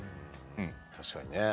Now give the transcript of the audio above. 確かにね。